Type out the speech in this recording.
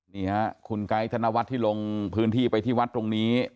นี่ฮะคุณไกด์ธนวัฒน์ที่ลงพื้นที่ไปที่วัดตรงนี้